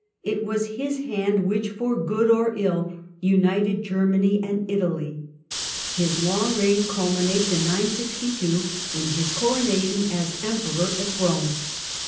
It was his hand which, for good or ill, united Germany and Italy. His long reign culminates in 962, in his coronation as Emperor at Eome.